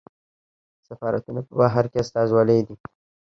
سفارتونه په بهر کې استازولۍ دي